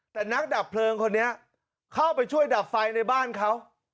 แต่นักดับเพลิงคนนี้เข้าไปช่วยดับไฟในบ้านเขา